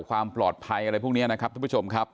ความปลอดภัยอะไรพวกนี้นะครับทุกผู้ชมครับ